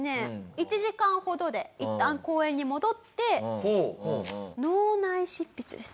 １時間ほどでいったん公園に戻って脳内執筆です。